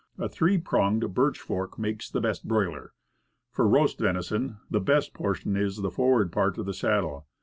A three pronged birch fork makes the best broiler. For roast venison, the best portion is the forward part of the saddle.